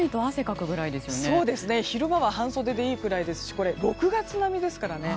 昼間は半袖でいいくらいですしこれ、６月並みですからね。